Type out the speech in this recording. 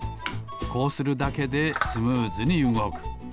こうするだけでスムーズにうごく。